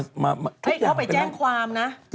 สวัสดีค่ะ